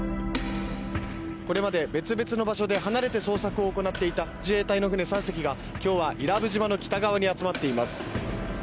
これまで別々の場所で離れて捜索を行っていた自衛隊の船３隻が今日は伊良部島の北側に集まっています。